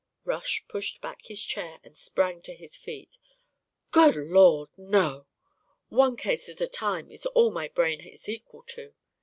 Rush pushed back his chair and sprang to his feet. "Good Lord, no. One case at a time is all my brain is equal to."